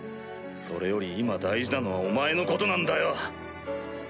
それより今大事なのはお前のことなんだよ！